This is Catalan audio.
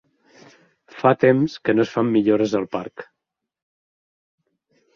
Fa temps que no es fan millores al parc.